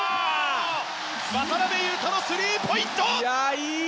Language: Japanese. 渡邊雄太のスリーポイント！